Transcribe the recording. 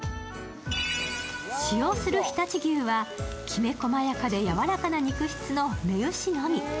使用する常陸牛はきめ細やかで、やわらかな肉質の雌牛のみ。